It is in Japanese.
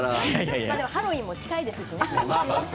ハロウィーンも近いですしね。